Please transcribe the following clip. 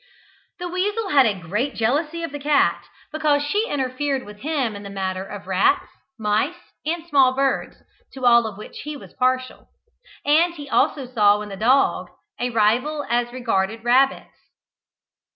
The weasel had a great jealousy of the cat, because she interfered with him in the matter of rats, mice, and small birds, to all of which he was partial; and he also saw in the dog a rival as regarded rabbits.